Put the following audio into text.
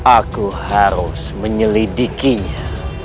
aku harus menyelidikinya